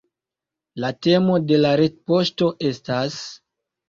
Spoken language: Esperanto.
La temo de la retpoŝto estas